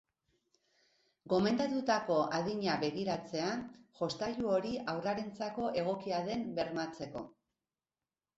Gomendatutako adina begiratzea, jostailu hori haurrarentzako egokia den bermatzeko.